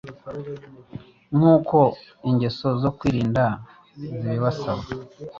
nk’uko ingeso zo kwirinda zibibasaba.